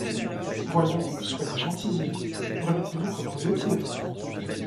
Voyons, soyez gentille, remettez-vous comme vous étiez.